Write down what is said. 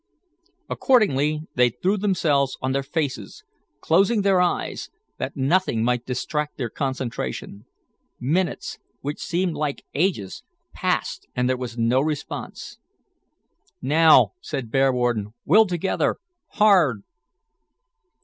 Accordingly, they threw themselves on their faces, closing their eyes, that nothing might distract their concentration. Minutes, which seemed like ages, passed, and there was no response. "Now," said Bearwarden, "will together, hard."